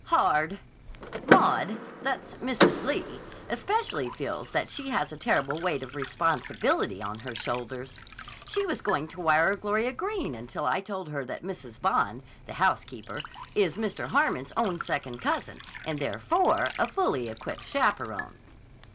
"Hard. Maud—that's Mrs. Lee—especially feels that she has a terrible weight of responsibility on her shoulders. She was going to wire Gloria Greene until I told her that Mrs. Bond, the housekeeper, is Mr. Harmon's own second cousin and therefore, a fully equipped chaperon."